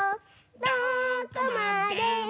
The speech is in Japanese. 「どこまでも」